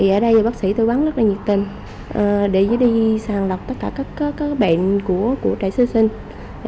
ở đây bác sĩ tôi bắn rất là nhiệt tình để đi sàng lọc tất cả các bệnh của trẻ sơ sinh